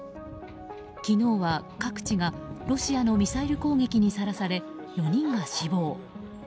昨日は各地がロシアのミサイル攻撃にさらされ４人が死亡。